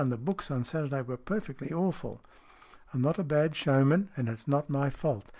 The books on Saturday were perfectly awful." "I'm not a bad showman, and it's not my fault.